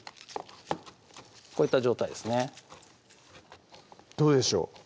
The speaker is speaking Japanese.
こういった状態ですねどうでしょう？